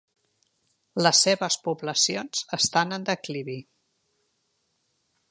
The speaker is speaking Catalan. Les seves poblacions estan en declivi.